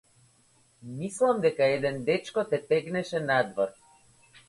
Мислам дека еден дечко те тегнеше надвор.